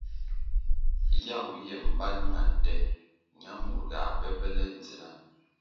Yagu ye mbali ma nte ñamur ga be be le ndzna.